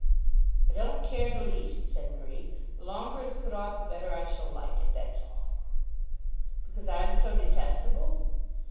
"I don't care the least," said Marie. "The longer it's put off the better I shall like it; that's all." "Because I'm so detestable?"